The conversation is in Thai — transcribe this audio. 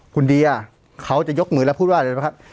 คุณเดียเขาจะยกมือแล้วพูดว่าอะไรบ้างครับ